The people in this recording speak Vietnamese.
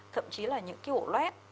thậm chí là những cái ổ lết